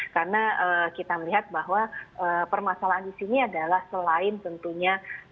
karena kita melihat bahwa permasalahan di sini adalah selain tentunya